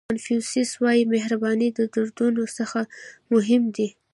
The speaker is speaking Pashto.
کانفیوسیس وایي مهرباني د دردونو څخه مهم دی.